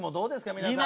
皆さん。